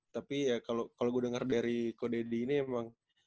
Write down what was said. tapi ya kalo gue denger dari ko deddy ini emang